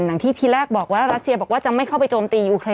อย่างที่ทีแรกบอกว่ารัสเซียบอกว่าจะไม่เข้าไปโจมตียูเครน